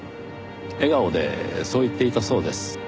笑顔でそう言っていたそうです。